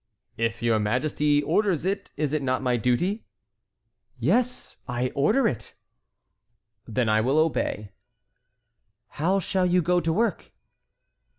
"If your majesty orders it, is it not my duty?" "Yes, I order it." "Then I will obey." "How shall you go to work?"